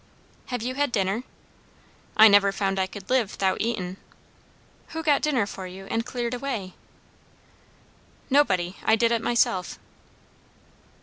"Have you had dinner?" "I never found I could live 'thout eating." "Who got dinner for you, and cleared away?" "Nobody. I did it myself."